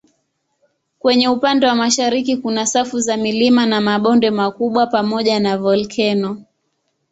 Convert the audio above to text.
Kwenye upande wa mashariki kuna safu za milima na mabonde makubwa pamoja na volkeno.